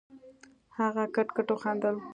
هغه کټ کټ وخندل.